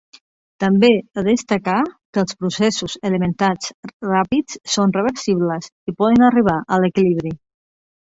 També a destacar, que els processos elementals ràpids són reversibles i poden arribar a l'equilibri.